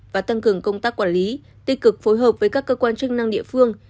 và tăng cường công tác quản lý tích cực phối hợp với các cơ quan chức năng địa phương